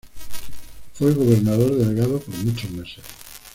Fue gobernador delegado por muchos meses.